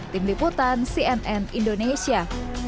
tim liputan cnn indonesia